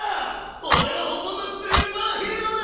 お前は本物のスーパーヒーローだ！